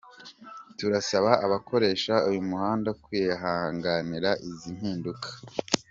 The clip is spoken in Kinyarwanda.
Turasaba abakoresha uyu muhanda kwihanganira izi mpinduka.